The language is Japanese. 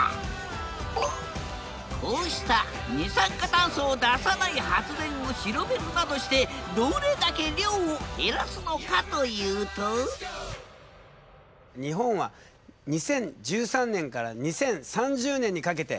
こうした二酸化炭素を出さない発電を広めるなどしてどれだけ量を減らすのかというと日本はそんなにできるの？